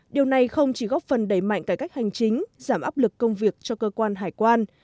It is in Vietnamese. điều này không chỉ góp phần đẩy mạnh cải cách hành chính giảm áp lực công việc cho cơ quan hải quan